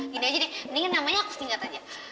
gini aja deh mendingan namanya aku singkat aja